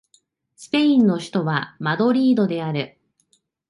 スペインの首都はマドリードである